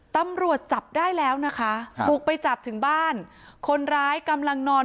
ตำรวจจับได้แล้วนะคะบุกไปจับถึงบ้านคนร้ายกำลังนอน